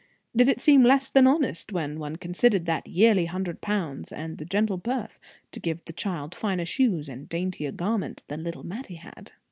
Did it seem less than honest, when one considered that yearly hundred pounds, and the gentle birth, to give the child finer shoes and daintier garments than little Mattie had?